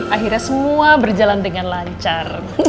akhirnya semua berjalan dengan lancar